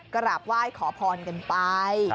กราบไหว้ขอพรกันไป